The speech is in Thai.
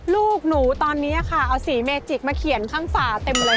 ลูกหนูตอนนี้ค่ะเอาสีเมจิกมาเขียนข้างฝาเต็มเลย